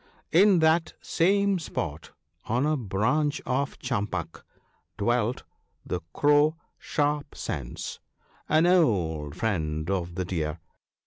In that same spot, on a branch of champak, dwelt the Crow Sharp sense, an old friend of the Deer.